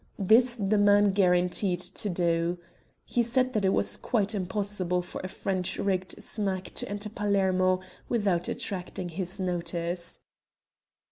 This the man guaranteed to do. He said that it was quite impossible for a French rigged smack to enter Palermo without attracting his notice.